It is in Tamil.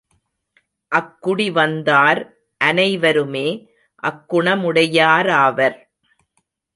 அக்குடி வந்தார் அனைவருமே அக்குணமுடையாராவர்.